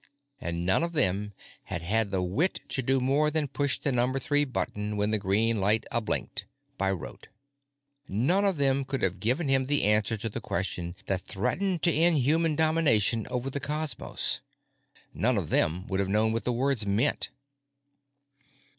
And none of them had had the wit to do more than push the Number Three Button when the Green Light A blinked, by rote. None of them could have given him the answer to the question that threatened to end human domination over the cosmos; none of them would have known what the words meant.